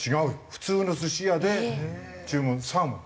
普通の寿司屋で注文サーモン。